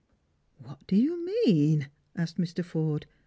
" What do you mean ?" asked Mr. Forde.